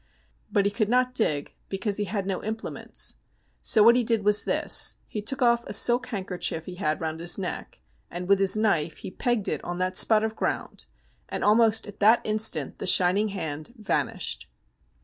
But he could not dig, because he had no implements. So what he did was this, he took off a silk handkerchief he had round his neck, and with his knife he pegged it on that spot of ground, and almost at that instant the shining hand vanished.